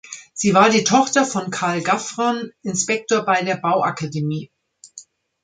Sie war die Tochter von Karl Gaffron, Inspektor bei der Bauakademie.